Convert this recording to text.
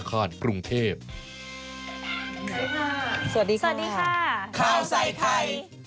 ข้าวใส่ไทย